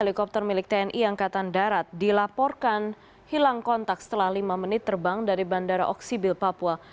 helikopter milik tni angkatan darat dilaporkan hilang kontak setelah lima menit terbang dari bandara oksibil papua